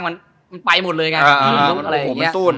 มันไปหมดเลยไง